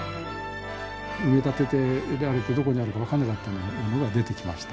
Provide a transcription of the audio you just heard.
埋め立てられてどこにあるか分からなかったものが出てきました。